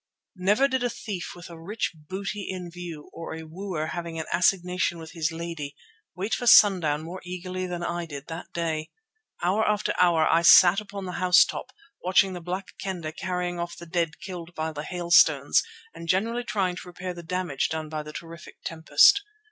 Never did a thief with a rich booty in view, or a wooer having an assignation with his lady, wait for sundown more eagerly than I did that day. Hour after hour I sat upon the house top, watching the Black Kendah carrying off the dead killed by the hailstones and generally trying to repair the damage done by the terrific tempest.